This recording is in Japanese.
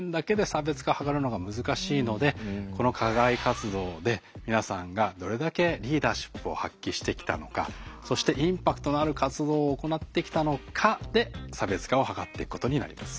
のでこの課外活動で皆さんがどれだけリーダーシップを発揮してきたのかそしてインパクトのある活動を行ってきたのかで差別化を図っていくことになります。